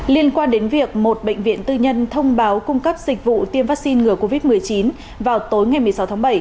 liên quan đến việc một bệnh viện tư nhân thông báo cung cấp dịch vụ tiêm vaccine ngừa covid một mươi chín vào tối ngày một mươi sáu tháng bảy